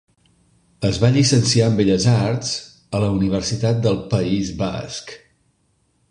Es va llicenciar en Belles Arts a la Universitat del País Basc.